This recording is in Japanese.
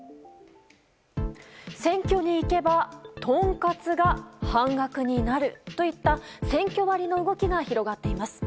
選挙に行けばトンカツが半額になるといった選挙割の動きが広がっています。